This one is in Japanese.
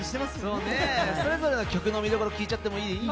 それぞれの曲の見どころ聞いちゃっていい？